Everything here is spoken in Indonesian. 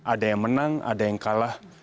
ada yang menang ada yang kalah